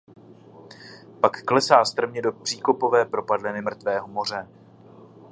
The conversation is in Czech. Pak klesá strmě do příkopové propadliny Mrtvého moře.